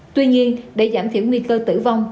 tuy nhiên để giảm thiểu nguy cơ tử vong